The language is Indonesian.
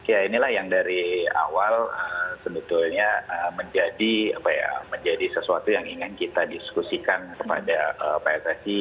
ya inilah yang dari awal sebetulnya menjadi sesuatu yang ingin kita diskusikan kepada pssi